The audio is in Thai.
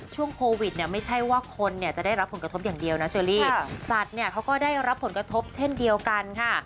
ช่วงโควิดเนี่ยไม่ใช่ว่าคนเนี่ยจะได้รับผลกระทบอย่างเดียวนะเชอรี่สัตว์เนี่ยเขาก็ได้รับผลกระทบเช่นเดียวกันค่ะ